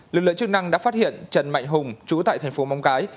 lực lượng chức năng đã phát hiện trần mạnh hùng trú tại thành phố mong cái